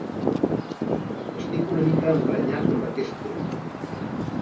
Estic una mica emprenyat amb aquest tema.